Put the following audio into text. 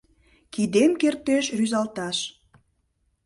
Кидем кертеш рӱзалташ